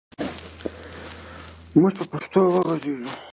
موږ به په پښتو وغږېږو.